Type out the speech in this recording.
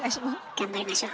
頑張りましょう。